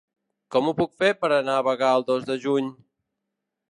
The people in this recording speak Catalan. Com ho puc fer per anar a Bagà el dos de juny?